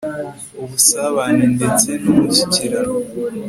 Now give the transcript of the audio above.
ubusabane ndetse n'umushyikirano